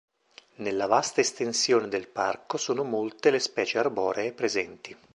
Nella vasta estensione del parco, sono molte le specie arboree presenti.